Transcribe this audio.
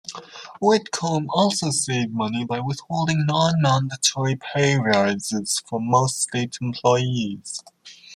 Whitcomb also saved money by withholding non-mandatory pay raises for most state employees.